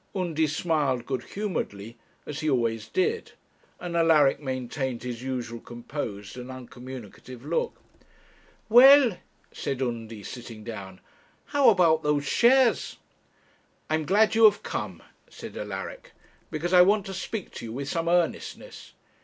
Undy smiled good humouredly, as he always did; and Alaric maintained his usual composed and uncommunicative look. 'Well,' said Undy, sitting down, 'how about those shares?' 'I am glad you have come,' said Alaric, 'because I want to speak to you with some earnestness.'